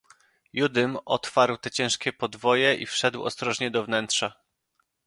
"Judym otwarł te ciężkie podwoje i wszedł ostrożnie do wnętrza."